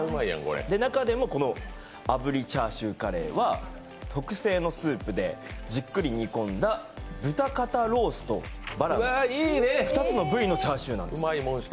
中でも炙りチャーシューカレーは特製のスープでじっくり煮込んだ豚肩ロースとバラの２つの部位のチャーシューなんです。